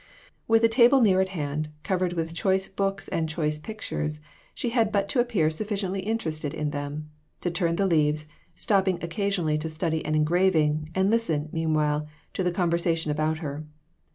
With a table near at hand, covered with choice books and choice pictures, she had but to appear sufficiently interested in them ; to turn the leaves, stopping occasionally to study an engraving, and listen, meanwhile, to the conversation about her.